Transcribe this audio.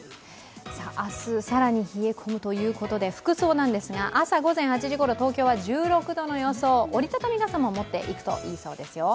明日、更に冷え込むということで服装なんですが、朝午前８時ごろ、東京は１６度の予想、折りたたみ傘も持っていくといいそうですよ。